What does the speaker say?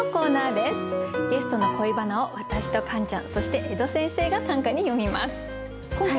ゲストの恋バナを私とカンちゃんそして江戸先生が短歌に詠みます。